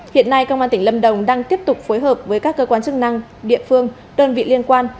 hiện nay công an tỉnh lâm đồng đang tiếp tục phối hợp với các cơ quan chức năng địa phương đơn vị liên quan